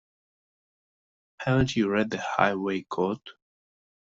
Haven't you read the Highway Code?